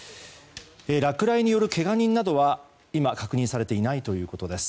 落雷によるけが人などは確認されていないということです。